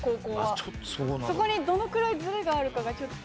そこにどのくらいズレがあるかがちょっと。